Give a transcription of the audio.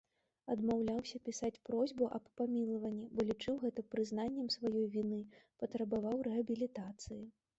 Адмаўляўся пісаць просьбу аб памілаванні, бо лічыў гэта прызнаннем сваёй віны, патрабаваў рэабілітацыі.